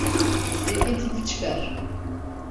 Ceketini çıkar.